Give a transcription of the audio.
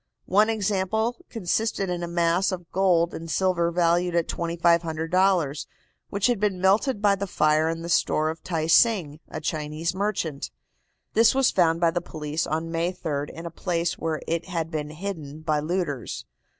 One example consisted in a mass of gold and silver valued at $2,500, which had been melted by the fire in the store of Tai Sing, a Chinese merchant. This was found by the police on May 3d in a place where it had been hidden by looters.